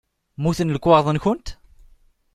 Mmuten lekwaɣeḍ-nkent?